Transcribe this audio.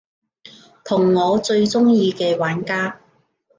同我最鍾意嘅玩家